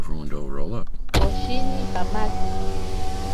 Poshini pamaki.